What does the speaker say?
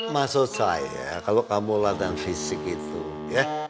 maksud saya kalau kamu latihan fisik itu ya